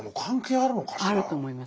あると思います。